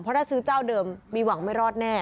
เพราะถ้าซื้อเจ้าเดิมมีหวังไม่รอดแน่